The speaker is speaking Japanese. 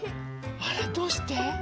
あらどうして？